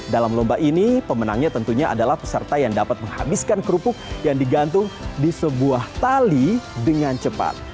dalam lomba ini pemenangnya tentunya adalah peserta yang dapat menghabiskan kerupuk yang digantung di sebuah tali dengan cepat